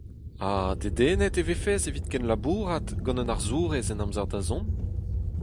Ha dedennet e vefes evit kenlabourat gant un arzourez en amzer-da-zont ?